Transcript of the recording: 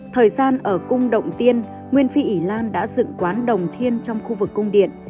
thời gian ở cung động tiên nguyên phi ý lan đã dựng quán đồng thiên trong khu vực cung điện